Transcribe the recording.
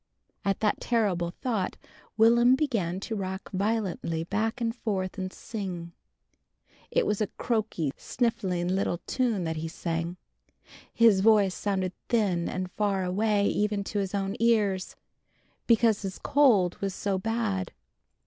_" At that terrible thought Will'm began to rock violently back and forth and sing. It was a choky, sniffling little tune that he sang. His voice sounded thin and far away even to his own ears, because his cold was so bad.